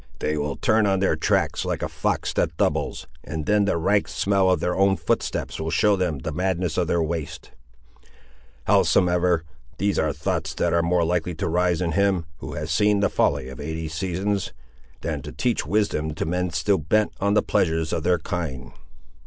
They will turn on their tracks like a fox that doubles, and then the rank smell of their own footsteps will show them the madness of their waste. Howsomever, these are thoughts that are more likely to rise in him who has seen the folly of eighty seasons, than to teach wisdom to men still bent on the pleasures of their kind!